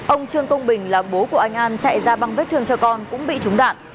ông trương công bình là bố của anh an chạy ra bằng vết thương cho con cũng bị trúng đạn